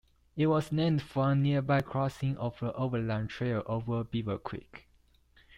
It was named from a nearby crossing of the Overland Trail over Beaver Creek.